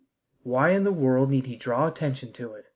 Why in the world need he draw attention to it?